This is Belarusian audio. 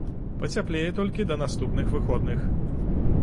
Пацяплее толькі да наступных выходных.